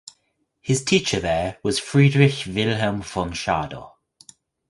His teacher there was Friedrich Wilhelm von Schadow.